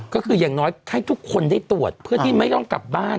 ก็คืออย่างน้อยให้ทุกคนได้ตรวจเพื่อที่ไม่ต้องกลับบ้าน